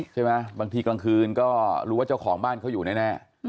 บางทีกลางคืนก็รู้ว่าเจ้าของบ้านเขาอยู่แน่